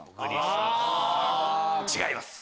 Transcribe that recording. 違います。